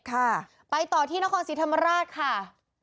ค่ะไปต่อที่นครศรีธรรมราชค่ะ